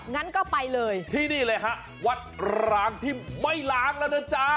งั้นก็ไปเลยที่นี่เลยฮะวัดร้างที่ไม่ล้างแล้วนะจ๊ะ